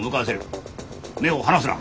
目を離すな。